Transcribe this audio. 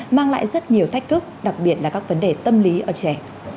mang lại rất nhiều thách thức đặc biệt là các vấn đề tâm lý ở trẻ